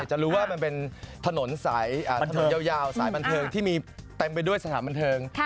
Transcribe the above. จะรู้ว่ามันเป็นถนนยาวสายบันเทิงที่มีเต็มไปด้วยสถานบันเทิง